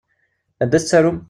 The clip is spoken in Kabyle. Anda i tettarum?